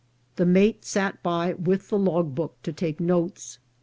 The mate sat by with the log book to take notes.